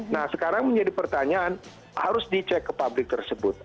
nah sekarang menjadi pertanyaan harus dicek ke publik tersebut